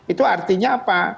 itu artinya apa